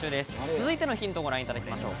続いてのヒントをご覧いただきましょう。